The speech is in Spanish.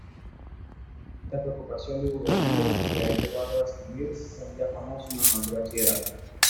Esta preocupación divulgativa le ha llevado a escribir un ya famoso manual de bachillerato.